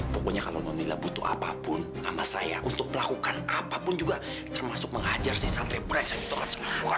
pokoknya kalau nonila butuh apa pun sama saya untuk melakukan apa pun juga termasuk menghajar si satria prens yang itu kan saya lakukan